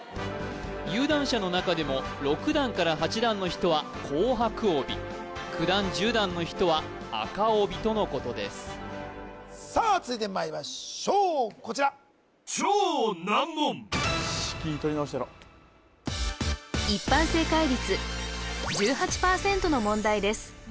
有段者の中でも６段から８段の人は紅白帯９段１０段の人は赤帯とのことですさあ続いてまいりましょうこちらよし気取り直してやろうの問題です